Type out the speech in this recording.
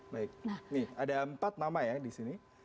nah ini ada empat nama ya disini